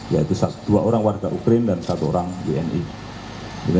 yaitu dua orang warga ukraine dan satu orang wni